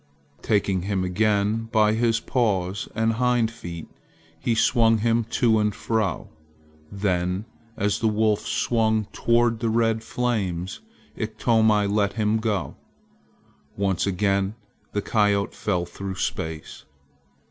Taking him again by his paws and hind feet, he swung him to and fro. Then as the wolf swung toward the red flames, Iktomi let him go. Once again the coyote fell through space.